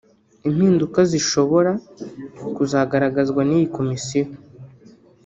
Impinduka zishobora kuzagaragazwa n’iyi komisiyo